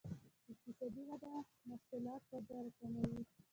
اقتصادي وده محصولات وده راکمېږي.